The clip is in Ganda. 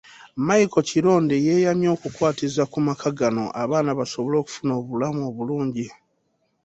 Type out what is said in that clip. Micheal Kironde yeeyamye okukwatiza ku maka gano abaana basobole okufuna obulamu obulungi.